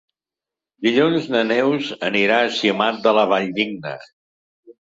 Dilluns na Neus anirà a Simat de la Valldigna.